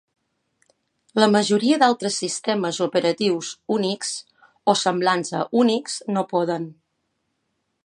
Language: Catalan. La majoria d'altres sistemes operatius Unix o semblants a Unix no poden.